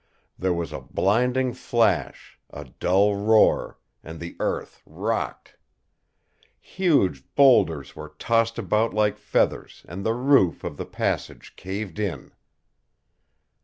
There was a blinding flash, a dull roar, and the earth rocked. Huge boulders were tossed about like feathers and the roof of the passage caved in.